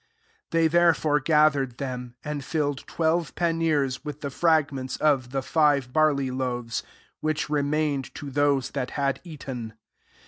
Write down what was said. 13 They therefore gathered them, and filled twelve panniers with the fragments of the five barley4oaves, which remained to those that had eaten.